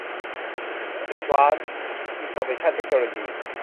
แอ็ดวานซ์ อินฟอร์เมชั่น เทคโนโลยี